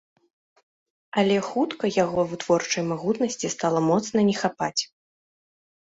Але хутка яго вытворчай магутнасці стала моцна не хапаць.